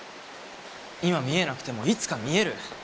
今見えなくてもいつか見える。